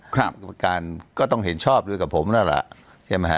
กรรมนิการก็ต้องเห็นชอบด้วยกับผมแล้วนะครับ